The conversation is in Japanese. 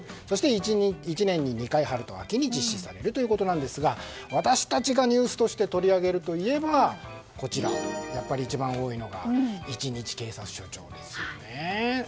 そして１年に２回、春と秋に実施されるということですが私たちがニュースとして取り上げるとすればやっぱり一番多いのが一日警察署長ですよね。